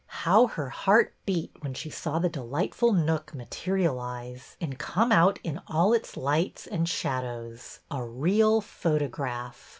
How her heart beat when she saw the delightful nook materialize and come out in all its lights and shadows, a real photograph